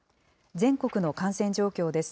全国の感染状況です。